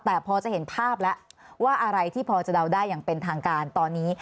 แต่พอจะเห็นภาพแล้วว่าอะไรที่พอจะเดาได้อย่างเป็นทางการตอนนี้